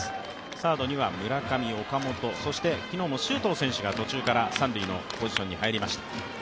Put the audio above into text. サードには村上、岡本、昨日も周東選手が途中から三塁のポジションに入りました。